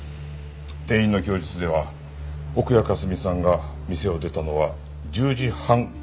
店員の供述では奥谷香澄さんが店を出たのは１０時半頃だそうです。